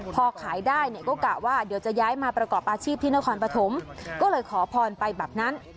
พอขายได้เนี่ยก็กะว่าเดี๋ยวจะย้ายมาประกอบอาชีพที่นครปฐมก็เลยขอพรไปแบบนั้น